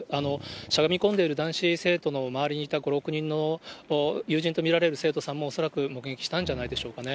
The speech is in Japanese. しゃがみ込んでいる男子生徒の周りにいた５、６人の友人と見られる生徒さんも、恐らく目撃したんじゃないでしょうかね。